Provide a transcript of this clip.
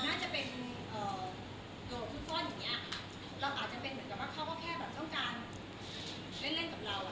เราอาจจะเป็นเหมือนกันว่าเขาก็แค่ต้องการเล่นกับเราอะ